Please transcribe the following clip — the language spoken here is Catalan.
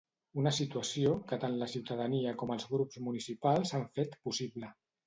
Una situació que tant la ciutadania com els grups municipals han fet possible.